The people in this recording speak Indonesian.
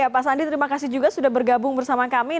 pak sandi terima kasih juga sudah bergabung bersama kami